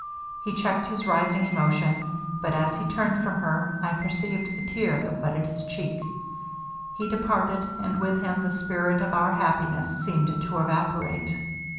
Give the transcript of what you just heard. He checked his rising emotion, but as he turned from her, I perceived the tear that wetted his cheek. He departed, and with him the spirit of our happiness seemed to evaporate.